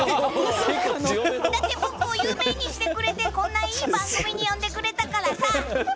だって、僕を有名にしてくれてこんないい番組に呼んでくれたからさ。